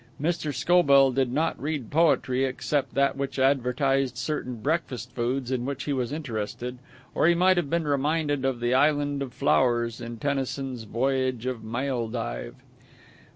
Mr. Scobell did not read poetry except that which advertised certain breakfast foods in which he was interested, or he might have been reminded of the Island of Flowers in Tennyson's "Voyage of Maeldive."